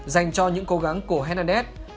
dành cho những cố gắng của hernandez